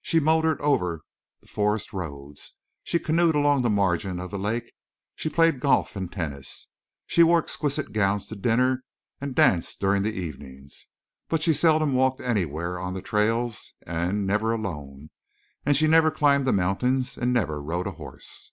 She motored over the forest roads, she canoed along the margin of the lake, she played golf and tennis. She wore exquisite gowns to dinner and danced during the evenings. But she seldom walked anywhere on the trails and, never alone, and she never climbed the mountains and never rode a horse.